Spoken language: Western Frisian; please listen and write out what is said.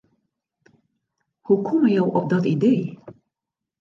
Hoe komme jo op dat idee?